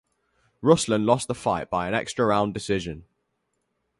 Ruslan lost the fight by an extra round decision.